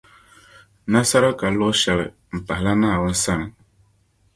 Nasara ka luɣushɛli m-pahila Naawuni sani.